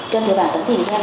trên địa bàn tỉnh thiền giang